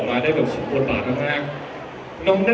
เมื่อเวลาอันดับสุดท้ายมันกลายเป้าหมายเป้าหมาย